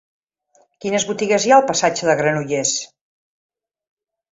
Quines botigues hi ha al passatge de Granollers?